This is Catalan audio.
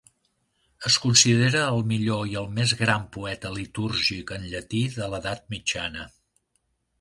Es considera el millor i el més gran poeta litúrgic en llatí de l'edat mitjana.